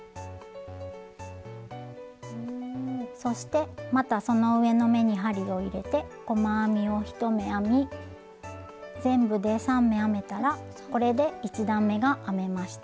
そしてまたその上の目に針を入れて細編みを１目編み全部で３目編めたらこれで１段めが編めました。